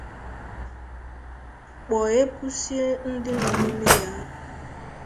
kpọghepụsie ndị nọ n'ime ya